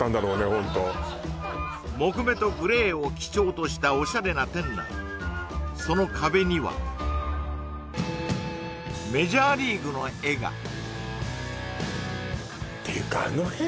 ホント木目とグレーを基調としたオシャレな店内その壁にはメジャーリーグの絵がていうかあのへん